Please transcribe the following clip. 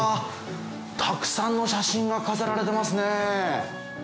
たくさんの写真が飾られてますね！